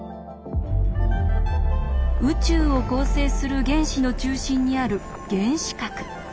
宇宙を構成する原子の中心にある原子核。